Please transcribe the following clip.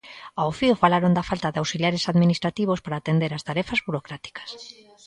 Ao fío falaron da falta de auxiliares administrativos para atender as tarefas burocráticas.